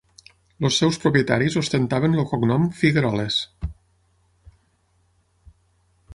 Els seus propietaris ostentaven el cognom Figueroles.